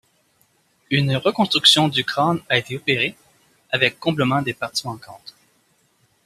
Une reconstruction du crâne a été opérée, avec comblement des parties manquantes.